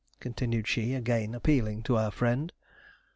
continued she, again appealing to our friend.